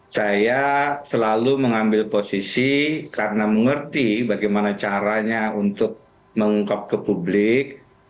saya selalu mengambil posisi karena mengerti bagaimana caranya untuk mengungkap ke publik